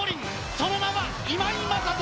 その名は今井正人。